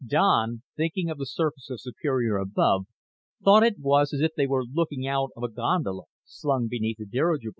Don, thinking of the surface of Superior above, thought it was as if they were looking out of the gondola slung beneath a dirigible.